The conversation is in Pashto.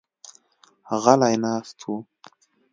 غلي ناست وو.